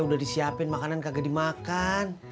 udah disiapin makanan kagak dimakan